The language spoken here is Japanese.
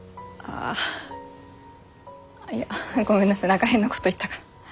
あっいやごめんなさい何か変なこと言ったか。